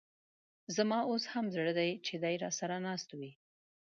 ز ما اوس هم دي په زړه راسره ناست وې